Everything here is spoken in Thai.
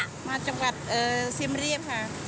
มาจากจังหวัดสิมเรียบค่ะ